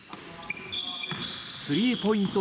スリーポイント